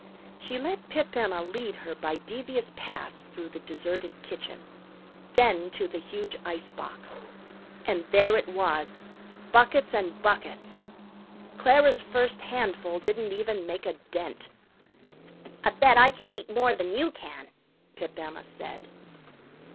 She let Pip Emma lead her by devious paths through the deserted kitchen. Then to the huge icebox. And there it was buckets and buckets! Clara's first handful didn't even make a dent. "I bet I can eat more than you can," Pip Emma said.